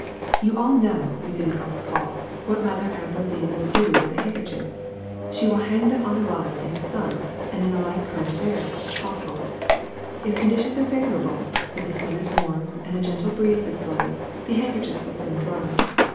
*^You all know,'' resumed Uncle Paul, ^'what Mother Ambroisine w^ill do to the handkerchiefs: she will hang them on a line in the sun and in a light current of air, if possible. If conditions are favorable, if the sun is warm and a gentle breeze is blowing, the handkerchiefs will soon dry.